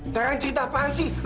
ngarang cerita apaan sih